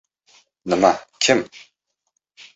— Nima kim?